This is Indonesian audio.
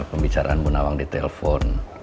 pembicaraan bunawang di telpon